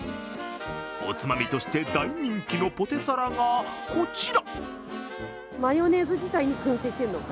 おつまみとして、大人気のポテサラがこちら。